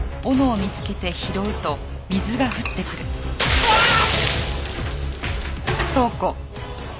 うわーっ！